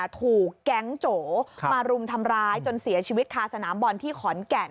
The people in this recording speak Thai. ถูกแก๊งโจมารุมทำร้ายจนเสียชีวิตคาสนามบอลที่ขอนแก่น